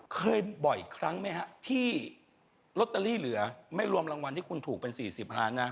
เคยบ่อยครั้งไม่ครับที่โรตเตอรี่เหลือไม่รวมละงวัลที่คุณถูกเป็นสี่สิบบาทนะ